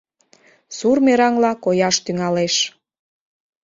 Сур мераҥла кояш тӱҥалеш.